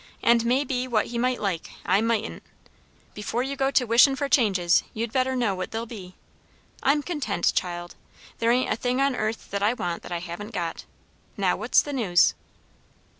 "And may be what he might like, I mightn't. Before you go to wishin' for changes, you'd better know what they'll be. I'm content child. There ain't a thing on earth I want that I haven't got. Now what's the news?"